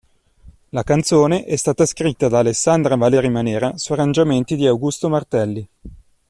La canzone è stata scritta da Alessandra Valeri Manera su arrangiamenti di Augusto Martelli.